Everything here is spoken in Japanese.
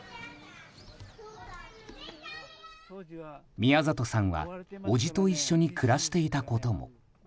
宮里さんは叔父と一緒に暮らしていたことも。